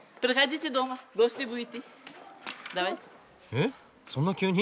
えそんな急に？